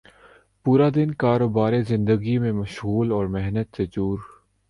پورا دن کاروبار زندگی میں مشغول اور محنت سے چور